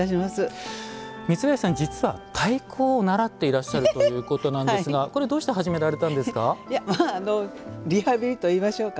三林さん、実は太鼓を習っていらっしゃるということなんですがこれはリハビリといいましょうか。